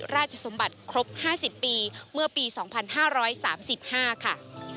ราชสมบัติครบ๕๐ปีเมื่อปี๒๕๓๕ค่ะ